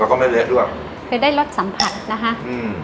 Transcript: แล้วก็ไม่เละด้วยคือได้รสสัมผัสนะคะอืม